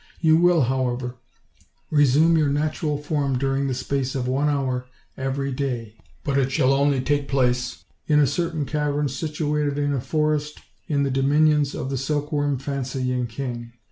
You will, however, resume your natural form during the space of one hour every day; but it shall only take place in a certain cavern situ ated in a forest in the dominions of the silkworm fancy ing king.